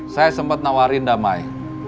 saya sempet nawarin damai